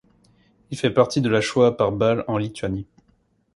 Il fait partie de la Shoah par balles en Lituanie.